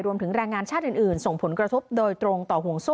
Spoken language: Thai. รวมถึงแรงงานชาติอื่นส่งผลกระทบโดยตรงต่อห่วงโซ่